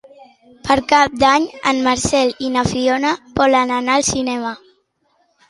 Per Cap d'Any en Marcel i na Fiona volen anar al cinema.